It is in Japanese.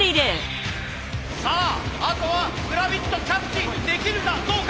さああとはグラビットキャッチできるかどうか。